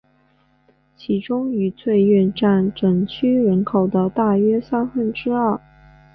其中愉翠苑占整区人口的大约三分之二。